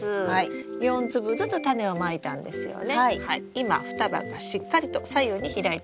今双葉がしっかりと左右に開いています。